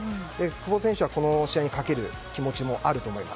久保選手はこの試合にかける思いもあると思います。